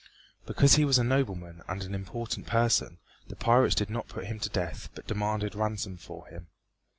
Because he was a nobleman and an important person the pirates did not put him to death but demanded ransom for him.